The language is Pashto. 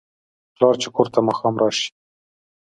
پلار چې کور ته ماښام راشي